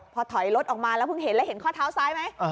พอถอยรถออกมาแล้วเพิ่งเห็นแล้วเห็นข้อเท้าซ้ายไหม